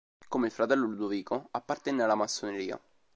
Come il fratello Ludovico, appartenne alla Massoneria.